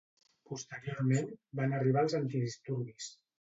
Posteriorment, van arribar els antidisturbis.